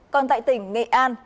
còn tại tỉnh nghệ an